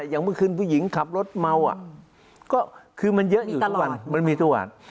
อย่างเมื่อคืนผู้หญิงขับรถเมาก็คือมันเยอะอยู่ทุกวันมันมีตัว